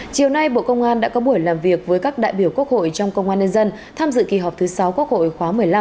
chiều nay bộ công an đã có buổi làm việc với các đại biểu quốc hội trong công an nhân dân tham dự kỳ họp thứ sáu quốc hội khóa một mươi năm